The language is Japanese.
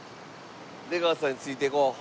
出川さんについていこう。